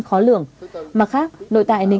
khó lường mặt khác nội tại nền